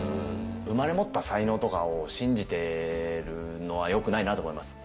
生まれ持った才能とかを信じてるのはよくないなと思います。